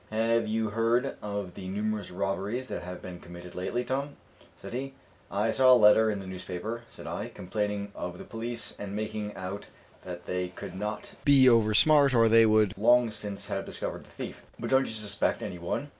"Have you heard of the numerous robberies that have been committed lately, Tom?" said he. "I saw a letter in the newspaper," said I, "complaining of the police, and making out that they could not be over smart, or they would long since have discovered the thief; but don't you suspect any one?"